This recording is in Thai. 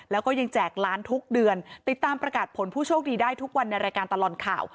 แล้วก็ยังแจกล้านทุกเดือนติดตามประกาศผลผู้โชคดีได้ทุกวันในรายการตลอดข่าว